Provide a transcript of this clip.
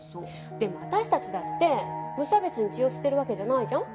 でも私たちだって無差別に血を吸ってるわけじゃないじゃん？